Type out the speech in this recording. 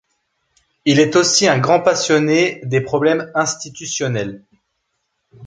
Il est aussi un grand passionné des problèmes institutionnels.